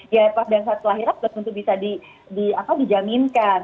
ya pada saat telahir tentu bisa dijaminkan